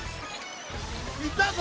いたぞ。